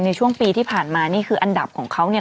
ในช่วงปีที่ผ่านมานี่คืออันดับของเขาเนี่ย